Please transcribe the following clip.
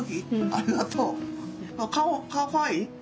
ありがとう。